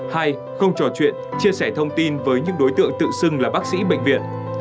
hai không trò chuyện chia sẻ thông tin với những đối tượng tự xưng là bác sĩ bệnh viện